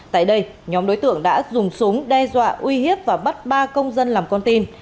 tại đây nhóm đối tượng đã dùng súng đe dọa uy hiếp và bắt ba công dân làm con tin